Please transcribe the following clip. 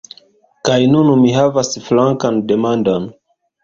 Kaj nun mi havas flankan demandon.